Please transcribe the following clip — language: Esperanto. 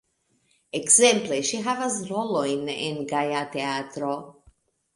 Ekzemple ŝi havas rolojn en Gaja Teatro.